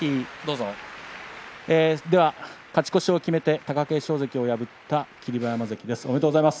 勝ち越しを決めて貴景勝関を破った霧馬山関ですおめでとうございます。